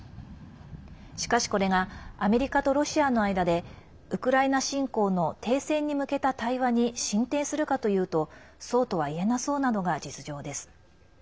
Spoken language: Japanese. しかし、これがアメリカとロシアの間でウクライナ侵攻の停戦に向けた対話に進展するかというとそうとはいえなそうなのが実情です。